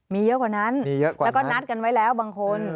มีเยอะกว่านั้นแล้วก็นัดกันไว้แล้วบางคน